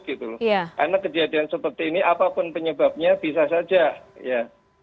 karena kejadian seperti ini apapun penyebabnya bisa saja